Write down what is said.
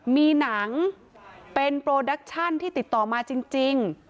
มีหนังเป็นโปรดักชั่นที่ติดต่อมาจริง